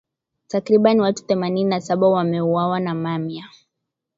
Takribani watu themanini na saba wameuawa na mamia